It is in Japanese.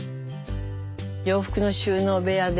洋服の収納部屋です。